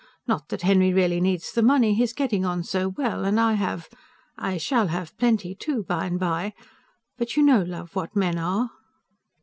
Not that Henry really needs the money; he is getting on so well; and I have.... I shall have plenty, too, by and by. But you know, love, what men are."